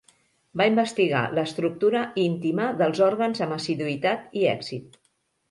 Va investigar l'estructura íntima dels òrgans amb assiduïtat i èxit.